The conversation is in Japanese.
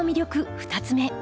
２つ目。